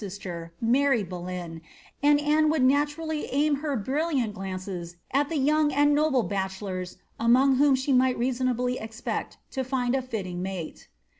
131 ister, Mary Boleyn, and Anne would natarally aim her brilliant glances It the yoong and noble bachelors, among whom she might reasonably expect lo find a fitting mate.